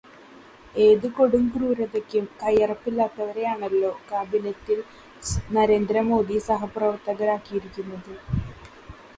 ഏതു കൊടുംക്രൂരതയ്ക്കും കൈയറപ്പില്ലാത്തവരെയാണല്ലോ കാബിനറ്റിൽ നരേന്ദ്രമോദി സഹപ്രവർത്തകരാക്കിയിരിക്കുന്നത്.